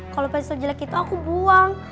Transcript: kalau pensiun jelek itu aku buang